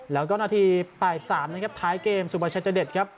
แล้วก็นาที๘๓นะครับท้ายเกมสุบัชเด็ดครับ